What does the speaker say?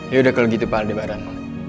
ya udah kalo gitu pak aldebaran